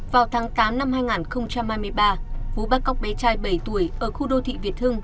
vào tháng tám năm hai nghìn hai mươi ba vũ bắt cóc bé trai bảy tuổi ở khu đô thị việt hưng